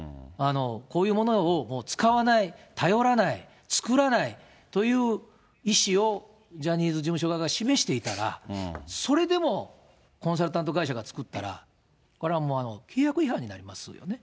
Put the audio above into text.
こういうものを使わない、頼らない、作らないという意思をジャニーズ事務所側が示していたら、それでも、コンサルタント会社が作ったら、これはもう契約違反になりますよね。